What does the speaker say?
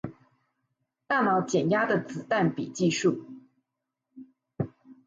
大腦減壓的子彈筆記術